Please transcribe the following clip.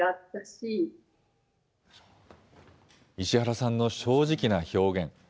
石原さんの正直な表現。